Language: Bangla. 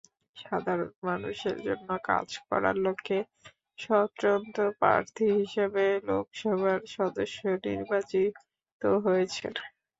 সাধারণ মানুষের জন্য কাজ করার লক্ষ্যে স্বতন্ত্র প্রার্থী হিসেবে লোকসভার সদস্য নির্বাচিত হয়েছেন।